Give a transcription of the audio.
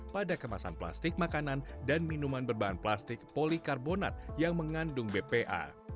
pada kemasan plastik makanan dan minuman berbahan plastik polikarbonat yang mengandung bpa